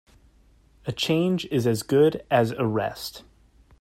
A change is as good as a rest.